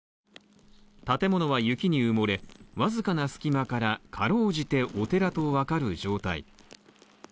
建物は雪に埋もれ、僅かな隙間からかろうじてお寺と分かる状態。